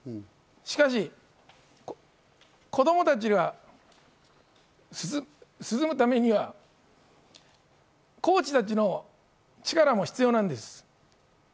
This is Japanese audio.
しかし、子供たちが進むためにはコーチたちの力も必要なんです。